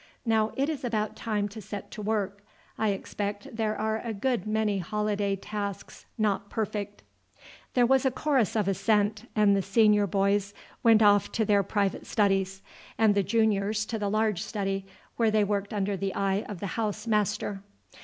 Now, it is about time to set to work. I expect there are a good many holiday tasks not perfect." There was a chorus of assent, and the senior boys went off to their private studies, and the juniors to the large study, where they worked under the eye of the house master.